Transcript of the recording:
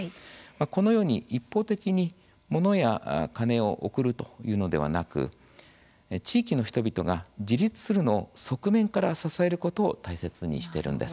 このように、一方的に物や金を送るというのではなく地域の人々が自立するのを側面から支えることを大切にしているんです。